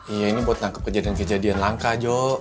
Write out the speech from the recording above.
iya ini buat nangkep kejadian kejadian langka jo